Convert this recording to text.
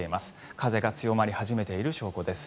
風が強まり始めている証拠です。